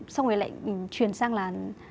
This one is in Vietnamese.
xong rồi lại chuyển sang là